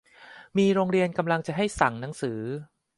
มีโรงเรียนกำลังจะให้สั่งหนังสือ